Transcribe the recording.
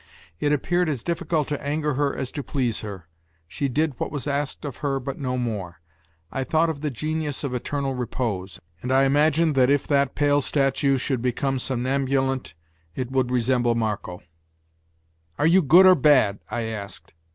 It appeared as difficult to anger her as to please her; she did what was asked of her, but no more. I thought of the genius of eternal repose, and I imagined that if that pale statue should become somnambulant it would resemble Marco. "Are you good or bad?" I asked.